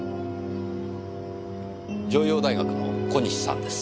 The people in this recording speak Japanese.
城陽大学の小西さんです。